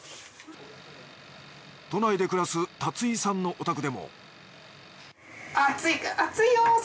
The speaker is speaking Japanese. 都内で暮らす龍井さんのお宅でも熱い熱いよ！